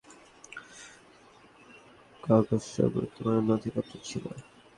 অফিসকক্ষে পরীক্ষার অনেক খাতাপত্র ছাড়াও বিদ্যালয়ের জরুরি কাগজসহ গুরুত্বপূর্ণ নথিপত্র ছিল।